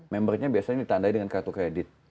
membernya biasanya ditandai dengan kartu kredit